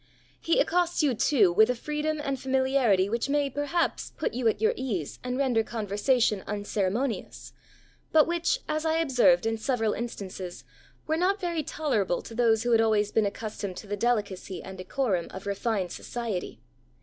He accosts you too, with a freedom and familiarity which may, perhaps, put you at your ease and render conversation unceremonious; but which, as I observed in several instances, were not very tolerable to those who had always been accustomed to the delicacy and decorum of refined society."